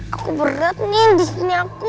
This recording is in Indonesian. aku berat nih di sini aku